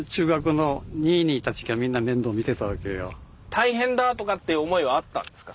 大変だとかって思いはあったんですか？